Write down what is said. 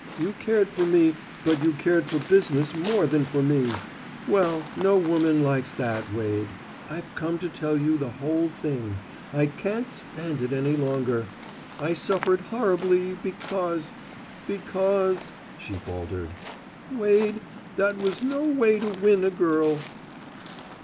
You cared for me, but you cared for business more than for me. Well, no woman likes that, Wade. I've come to tell you the whole thing: I can't stand it any longer. I suffered horribly because because " She faltered. "Wade, that was no way to win a girl."